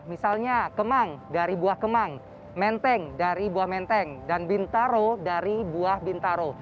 misalnya kemang dari buah kemang menteng dari buah menteng dan bintaro dari buah bintaro